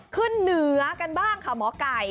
ขึ้นเหนือกันบ้างค่ะหมอไก่